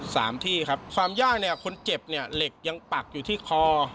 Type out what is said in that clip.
สามที่ครับความยากเนี่ยคนเจ็บเนี่ยเหล็กยังปักอยู่ที่คอ